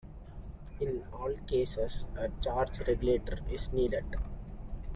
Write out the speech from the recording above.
In all cases, a charge regulator is needed.